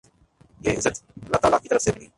یہ عزت اللہ تعالی کی طرف سے ملی۔